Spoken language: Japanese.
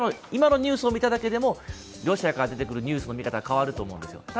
今のニュースを見ただけでもロシアから出てきたニュースの見方が変わると思うんですよ。